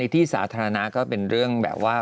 ที่สาธารณะก็เป็นเรื่องแบบว่า